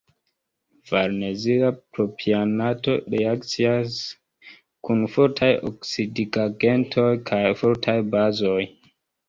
Farnezila propionato reakcias kun fortaj oksidigagentoj kaj fortaj bazoj.